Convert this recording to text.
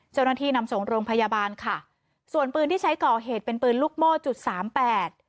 เจ้าหน้าที่นำส่งโรงพยาบาลค่ะส่วนปืนที่ใช้ก่อเหตุเป็นปืนลูกโม่จุดสามแปด